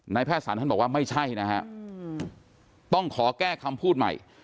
แพทย์สารท่านบอกว่าไม่ใช่นะฮะต้องขอแก้คำพูดใหม่